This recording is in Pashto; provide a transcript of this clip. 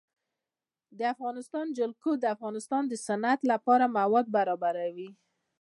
د افغانستان جلکو د افغانستان د صنعت لپاره مواد برابروي.